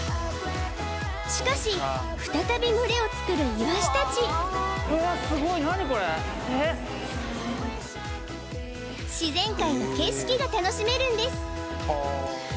しかし再び群れを作るイワシたちうわすごい何これ自然界の景色が楽しめるんです